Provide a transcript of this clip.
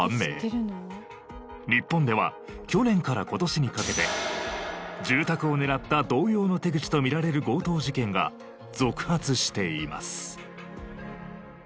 日本では去年から今年にかけて住宅を狙った同様の手口とみられる強盗事件が続発しています。